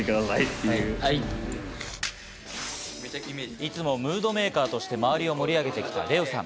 いつもムードメーカーとして周りを盛り上げてきたレオさん。